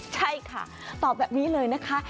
ใช่ค่ะตอบแบบนี้เลยนะคะ